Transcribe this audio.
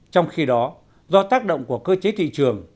trong khi đó do tác động của cơ chế thị trường